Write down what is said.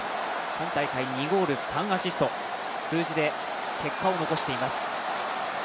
今大会２ゴール、３アシスト、数字で結果を残しています。